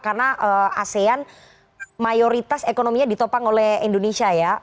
karena asean mayoritas ekonominya ditopang oleh indonesia ya